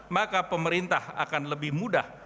maka pemerintah akan lebih mudah